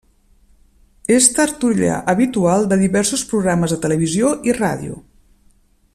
És tertulià habitual de diversos programes de televisió i ràdio.